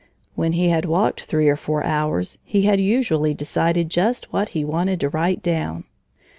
When he had walked three or four hours, he had usually decided just what he wanted to write down.